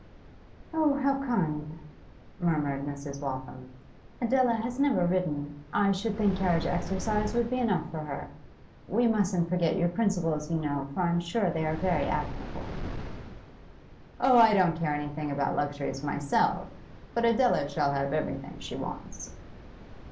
'Oh, how kind!' murmured Mrs. Waltham. 'Adela has never ridden; I should think carriage exercise would be enough for her. We mustn't forget your principles, you know, for I'm sure they are very admirable.' 'Oh, I don't care anything about luxuries myself, but Adela shall have everything she wants.